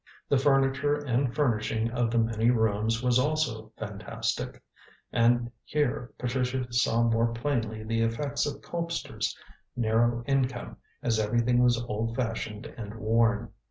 The furniture and furnishing of the many rooms was also fantastic, and here Patricia saw more plainly the effects of Colpster's narrow income, as everything was old fashioned and worn.